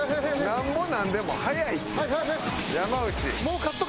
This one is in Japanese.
なんぼなんでも早いって。